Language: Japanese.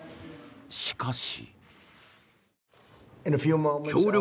しかし。